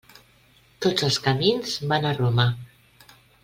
Tots els camins van a Roma.